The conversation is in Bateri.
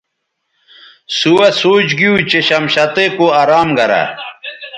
سوہسوچ گیو چہ شمشتئ کو ارام گرہ